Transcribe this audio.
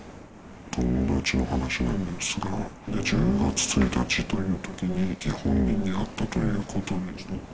友達の話なんですが、１０月１日というときに、本人に会ったということでした。